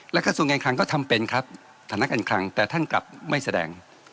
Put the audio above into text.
และกระทรวงการคลังก็ทำเป็นครับฐานะการคลังแต่ท่านกลับไม่แสดง